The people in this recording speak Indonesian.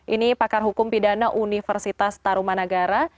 ini pakar hukum pidana universitas tarumanagara